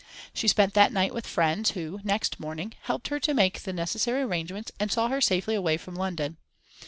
She spent that night with friends who, next morning, helped her to make the necessary arrangements and saw her safely away from London.